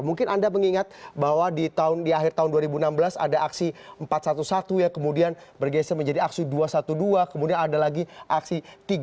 mungkin anda mengingat bahwa di akhir tahun dua ribu enam belas ada aksi empat ratus sebelas ya kemudian bergeser menjadi aksi dua ratus dua belas kemudian ada lagi aksi tiga